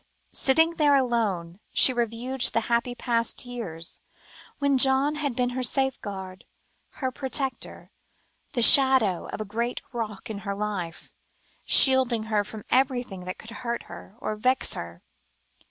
Sitting there alone, she reviewed the past happy years, when John had been her safeguard, her protector, the shadow of a great rock in her life, shielding her from everything that could hurt or vex her.